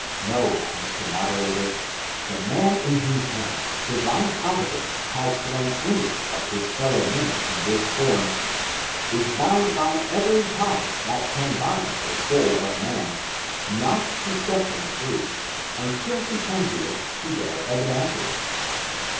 No, Mr. Mode rator, the man in whose hands Divine Providence has thrown any of his fellow men in this form, is bound by every tie that can bind the so^l of man, not to set them firee, until he can do it to their advantage.